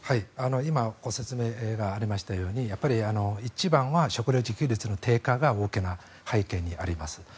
今、ご説明がありましたように一番は食料自給率の低下が大きな背景にあります。